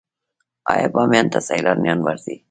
آیا بامیان ته سیلانیان ورځي؟